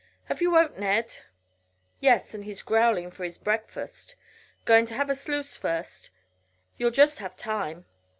"Have you woke Ned?" "Yes, and he's growling for his breakfast. Going to have a sluice first? You'll just have time."